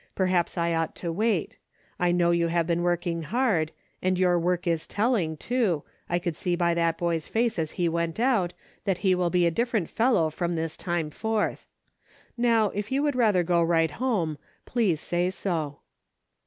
Perhaps I ought to wait. I know you have been work ing hard, and your work is telling, too, I could see by that boy's face as he went out, tlaat he will be a different fellow from this time forth. Now, if you would rather go right home, please say so."